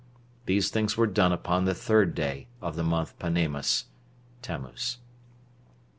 These things were done upon the third day of the month Panemus [Tamuz].